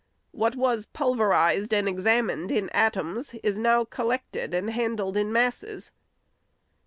What was pulverized and examined in atoms is now col lected and handled in masses.